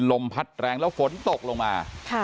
ลมพัดแรงแล้วฝนตกลงมา